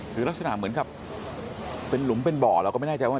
คือลักษณะเหมือนกับเป็นหลุมเป็นบ่อเราก็ไม่แน่ใจว่า